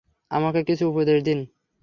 আমাকে কিছু উপদেশ দিন।